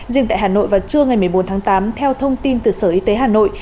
riêng tại hà nội vào trưa ngày một mươi bốn tháng tám theo thông tin từ sở y tế hà nội